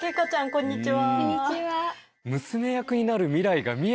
こんにちは。